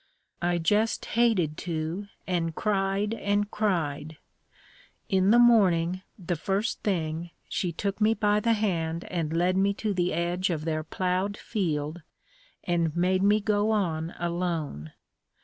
I just hated to and cried and cried. In the morning, the first thing, she took me by the hand and led me to the edge of their plowed field and made me go on alone.